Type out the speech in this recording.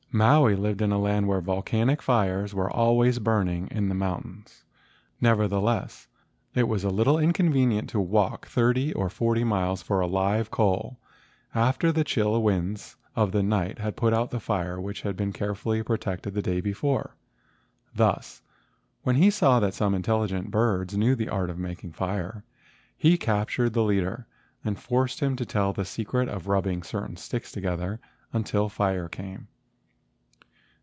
Maui lived in a land where volcanic fires were always burning in the mountains. Nevertheless it was a little inconvenient to walk thirty or forty miles for a live coal after the chill winds of the night had put out the fire which had been carefully protected the day before. Thus, when he saw that some intelligent birds knew the art of making a fire, he captured the leader and forced him to tell the secret of rubbing certain sticks together until fire came.